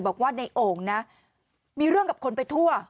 บอกว่าในโอ่งนะมีเรื่องกับคนไปทั่ว